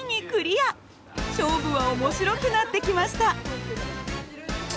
勝負は面白くなってきました。